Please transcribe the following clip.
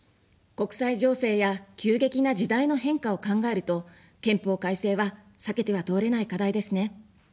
国際情勢や急激な時代の変化を考えると、憲法改正は避けては通れない課題ですね。